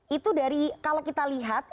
itu dari kalau kita lihat